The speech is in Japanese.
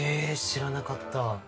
知らなかった！